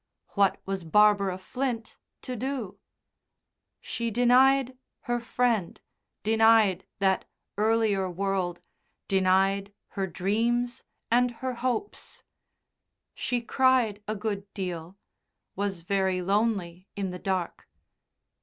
What was Barbara Flint to do? She denied her Friend, denied that earlier world, denied her dreams and her hopes. She cried a good deal, was very lonely in the dark.